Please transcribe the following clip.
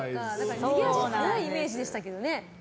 逃げ足速いイメージでしたけどね。